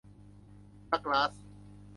ดักลาส